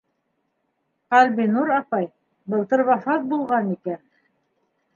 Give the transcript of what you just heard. Ҡәлбинур апай былтыр вафат булған икән.